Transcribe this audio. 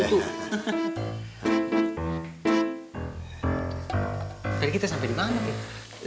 jadi kita sampai di mana pi